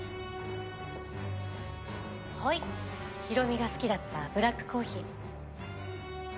ヒロミが好きだったブラックコーヒー。